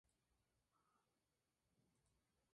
El joven matrimonio tuvo mala suerte.